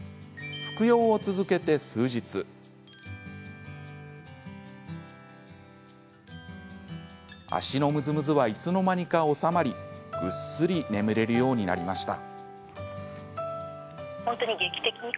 服用を続けて数日脚のムズムズはいつの間にか治まりぐっすり眠れるようになりました。